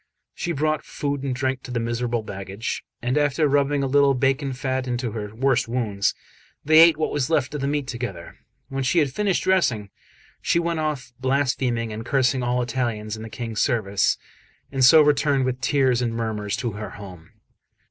She brought food and drink to the miserable baggage; and after rubbing a little bacon fat into her worst wounds, they ate what was left of the meat together. When she had finished dressing, she went off blaspheming and cursing all Italians in the King's service, and so returned with tears and murmurs to her home.